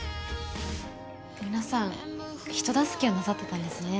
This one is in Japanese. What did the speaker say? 皆さん人助けをなさってたんですね。